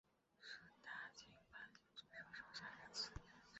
是大井町线最少上下车人次的车站。